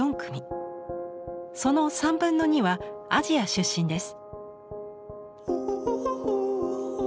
その３分の２はアジア出身です。